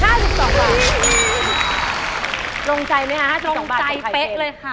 อืม๕๒บาทจนไขี่เค็มคะรงใจไหมคะ๕๒บาทของไข่เค็ม